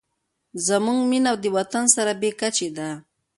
زموږ مینه د وطن سره بې کچې ده.